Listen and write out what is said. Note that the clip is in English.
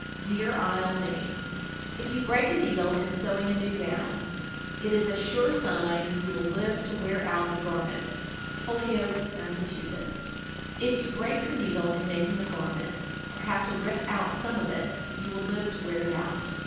Deer Isle, Me. 1389. If you break a needle in sewing a new gown, it is a sure sign you will live to wear out the garment. Holyoke, Mass. 1390. If you break your needle in making a garment, or have to rip out some of it, you will live to wear it out.